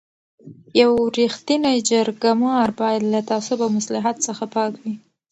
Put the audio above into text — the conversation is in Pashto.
یو رښتینی جرګه مار باید له تعصب او مصلحت څخه پاک وي.